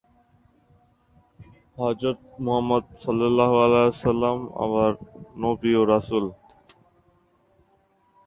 তবে এই উৎসবের প্রেক্ষাপট হিসেবে কারো কাছেই সুনির্দিষ্ট কোন তথ্য নেই।